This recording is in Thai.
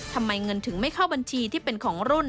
ทำไมเงินถึงไม่เข้าบัญชีที่เป็นของรุ่น